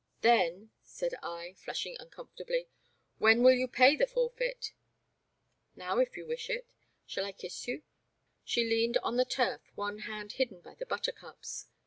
Then,'* said I, flushing uncomfortably, ''when will you pay the forfeit ?''Now, if you wish it. Shall I kiss you ?" She leaned on the turf, one hand hidden by the buttercups.